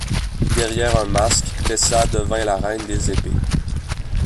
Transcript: Derrière un masque, Tessa devient la Reine des épées.